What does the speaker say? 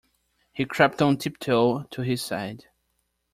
He crept on tiptoe to his side.